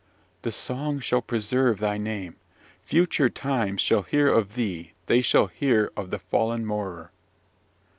The song shall preserve thy name. Future times shall hear of thee they shall hear of the fallen Morar!